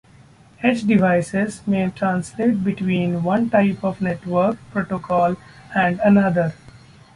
Edge devices may translate between one type of network protocol and another.